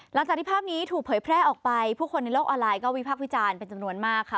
หลังจากที่ภาพนี้ถูกเผยแพร่ออกไปผู้คนในโลกออนไลน์ก็วิพักษ์วิจารณ์เป็นจำนวนมากค่ะ